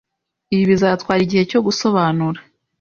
Ibi bizatwara igihe cyo gusobanura.